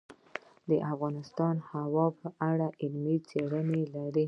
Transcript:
افغانستان د هوا په اړه علمي څېړنې لري.